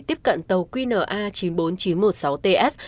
tiếp cận tàu qna chín mươi bốn nghìn chín trăm một mươi sáu ts